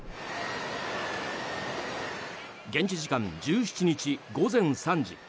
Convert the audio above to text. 現地時間１７日午前３時。